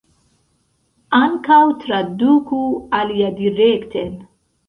Ankaŭ traduku aliadirekten.